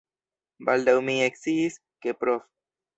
Baldaŭ mi eksciis, ke Prof.